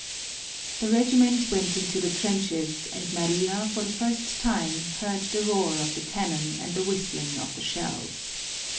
The regiment went into the trenches, and Maria, for the first time, heard the roar of the cannon and the whistling of the shells.